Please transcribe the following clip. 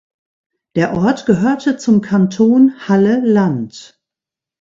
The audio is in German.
Der Ort gehörte zum Kanton Halle-Land.